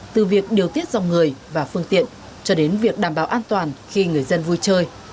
từ việc điều tiết dòng người và phương tiện cho đến việc đảm bảo an toàn khi người dân vui chơi